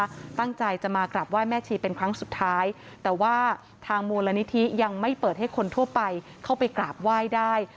ตั้งใจจะมากราบไหว้แม่ชีเป็นครั้งสุดท้ายแต่ว่าทางมูลนิธิยังไม่เปิดให้คนทั่วไปเข้าไปกราบไหว้ได้